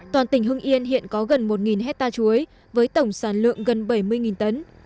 toàn tỉnh hưng yên hiện có gần một hectare chuối với tổng sản lượng gần bảy mươi tấn